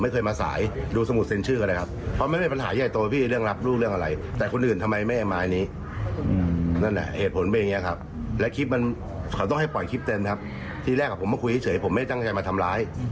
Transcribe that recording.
เขาต้องให้ปล่อยคลิปเต็มครับที่แรกกับผมมาคุยเฉยผมไม่ตั้งใจมาทำร้าย